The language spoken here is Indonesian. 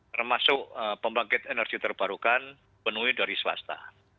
termasuk pembangkit energi terbarukan penuhi dari swasta